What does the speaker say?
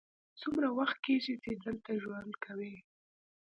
څومره وخت کیږی چې دلته ژوند کوې؟